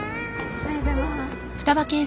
おはようございます。